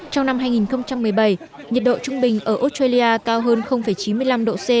trong năm hai nghìn một mươi bảy nhiệt độ trung bình ở australia cao hơn chín mươi năm độ c